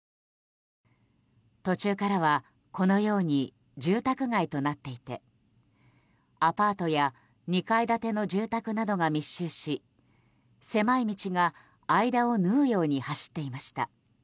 途中からはこのように住宅街となっていてアパートや２階建ての住宅などが密集し狭い道が間を縫うように走っていました。